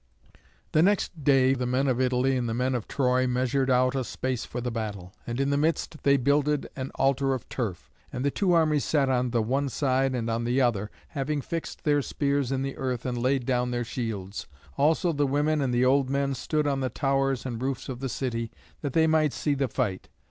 The next day the men of Italy and the men of Troy measured out a space for the battle. And in the midst they builded an altar of turf. And the two armies sat on the one side and on the other, having fixed their spears in the earth and laid down their shields. Also the women and the old men stood on the towers and roofs of the city, that they might see the fight.